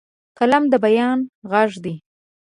قلم د بیان غږ دی